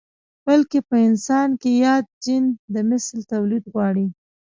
بلکې په انسان کې ياد جېن د مثل توليد غواړي.